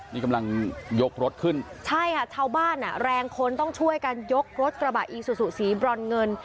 นี่กำลังยกรถขึ้นใช่ค่ะชาวบ้านอ่ะแรงคนต้องช่วยกันยกรถกระบะอีซูซูสีบรอนเงิน